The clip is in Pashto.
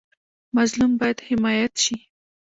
مظلوم باید حمایت شي